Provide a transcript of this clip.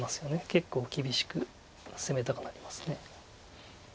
結構厳しく攻めたくなります。